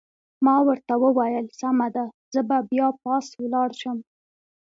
ما ورته وویل: سمه ده، زه به بیا پاس ولاړ شم.